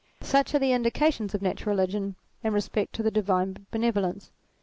Such are the indications of Natural Eeli^ion in 194 THEISM respect to the divine benevolence.